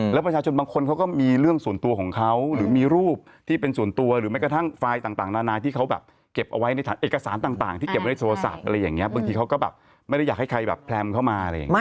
แล้วประชาชนบางคนเขาก็มีเรื่องส่วนตัวของเขาหรือมีรูปที่เป็นส่วนตัวหรือแม้กระทั่งไฟล์ต่างนานาที่เขาแบบเก็บเอาไว้ในเอกสารต่างที่เก็บไว้ในโทรศัพท์อะไรอย่างนี้บางทีเขาก็แบบไม่ได้อยากให้ใครแบบแพรมเข้ามาอะไรอย่างนี้